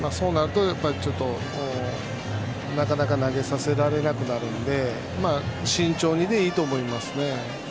そうなると、なかなか投げさせられなくなるので慎重にでいいと思いますね。